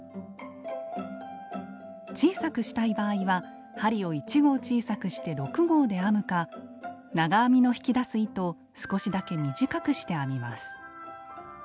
小さくしたい場合は針を１号小さくして６号で編むか長編みの引き出す糸を少しだけ短くして編みます。